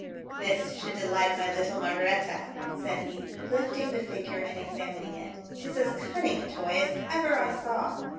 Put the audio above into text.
" This should deliorht mv little Mar garetha," said he, lifting the figure and examining it ;" 'tis as cunning a toy as ever I saw.